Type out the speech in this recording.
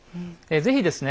是非ですね